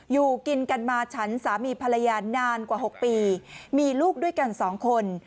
อยู่กินกันมาฉันสามีภรรยานานกว่า๖ปีมีลูกด้วยกันสองคน